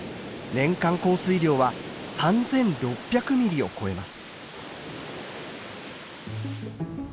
年間降水量は３，６００ミリを超えます。